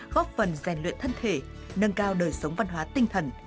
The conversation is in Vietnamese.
góp phần rèn luyện thân thể nâng cao đời sống văn hóa tinh thần